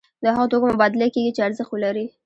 د هغو توکو مبادله کیږي چې ارزښت ولري.